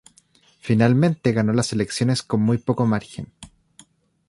Finalmente ganó las elecciones con muy poco margen.